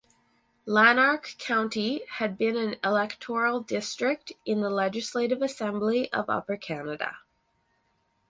Lanark County had been an electoral district in the Legislative Assembly of Upper Canada.